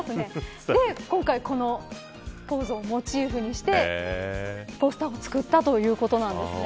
それで今回このポーズをモチーフにしてポスターを作ったということなんですね。